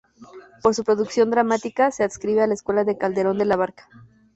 Por su producción dramática se adscribe a la escuela de Calderón de la Barca.